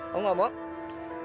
kamu gak mau